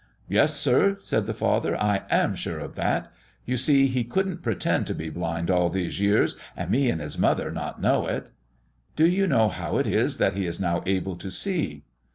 "Yes, sir," said the father, "I am sure of that. You see, he couldn't pretend to be blind all these years and me and his mother not know it." "Do you know how it is that he is now able to see?"